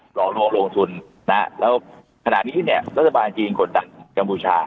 หรอกลงลงทุนนะแล้วขนาดนี้เนี้ยรัฐบาลจีนกดดังกัมพูชา